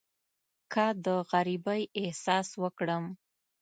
که د غریبۍ احساس وکړم.